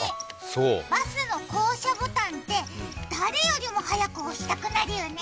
バスの降車ボタンって誰よりも早く押したくなるよね。